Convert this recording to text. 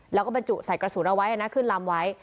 แล้วก็บรรจุใส่กระสุนเอาไว้นะขึ้นลำไว้